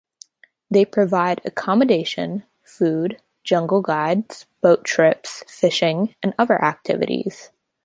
They provide accommodation, food, jungle guides, boat trips, fishing and other activities.